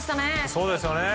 そうですね。